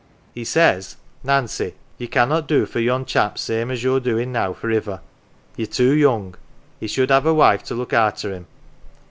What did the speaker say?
He says :' Nancy, ye can't do for yon chap same as you're doin' now, for iver. Ye're too young. He should have a wife to look arter him.'